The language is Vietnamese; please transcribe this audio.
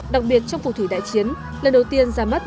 đặc biệt trong phù thủy đại chiến lần đầu tiên ra mắt màn hình